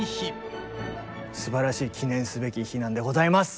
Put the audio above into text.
すばらしい記念すべき日なんでございます！